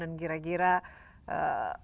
dan kira kira mungkin